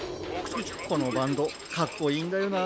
このバンドかっこいいんだよな。